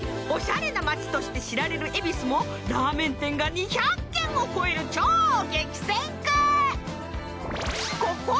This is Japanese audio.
オシャレな街として知られる恵比寿もラーメン店が２００軒も超える超激戦区。